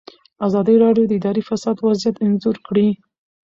ازادي راډیو د اداري فساد وضعیت انځور کړی.